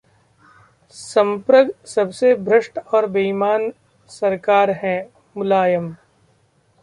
संप्रग ‘सबसे भ्रष्ट और बेईमान’ सरकार है: मुलायम